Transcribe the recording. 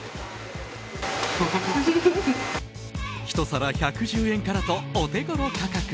１皿１１０円からとお手頃価格。